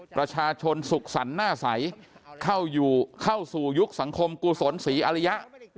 ประชาชนสุขสรรค์หน้าใสเข้าสู่ยุคสังคมกุศลศรีอริยะ